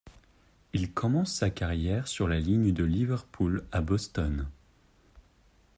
Il commence sa carrière sur la ligne de Liverpool à Boston.